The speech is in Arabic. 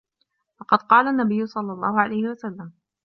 فَقَدْ قَالَ النَّبِيُّ صَلَّى اللَّهُ عَلَيْهِ وَسَلَّمَ